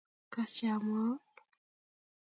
Kas Che amwaun.